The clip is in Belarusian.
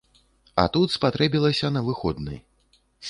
А тут спатрэбілася на выходны.